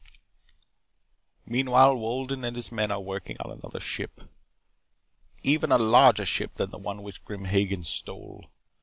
"Meanwhile, Wolden and his men are working on another ship. Even a larger ship than the one which Grim Hagen stole.